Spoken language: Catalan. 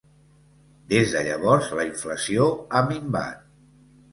Des de llavors, la inflació ha minvat.